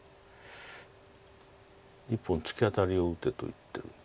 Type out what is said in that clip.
１本ツキアタリを打てと言ってる。